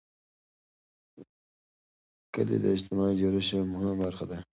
کلي د اجتماعي جوړښت یوه مهمه برخه ده.